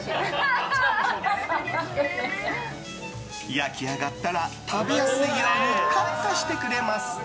焼き上がったら食べやすいようにカットしてくれます。